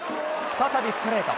再びストレート。